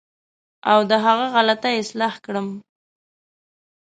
او د هغه غلطۍ اصلاح کړم.